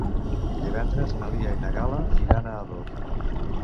Divendres na Lia i na Gal·la iran a Ador.